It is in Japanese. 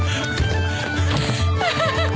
アハハハ。